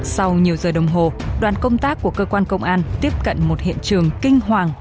sau nhiều giờ đồng hồ đoàn công tác của cơ quan công an tiếp cận một hiện trường kinh hoàng